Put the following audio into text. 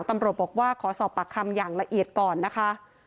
ตำรวจบอกว่าขอสอบปากคำอย่างละเอียดก่อนนะคะ